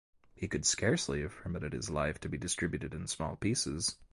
He could scarcely have permitted his life to be distributed in small pieces.